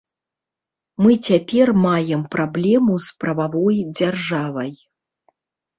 Мы цяпер маем праблему з прававой дзяржавай.